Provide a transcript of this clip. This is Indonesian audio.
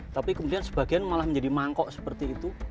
tapi kemudian sebagian malah menjadi mangkok seperti itu